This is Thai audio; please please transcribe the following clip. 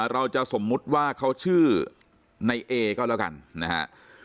สมมุติว่าเขาชื่อในเอก็แล้วกันนะฮะ